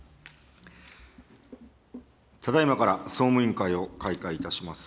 ただいまから総務委員会を開会いたします。